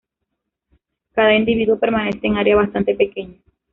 Cada individuo permanece en un área bastante pequeña.